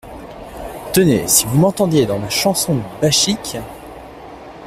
Tenez, si vous m’entendiez dans ma chanson bachique !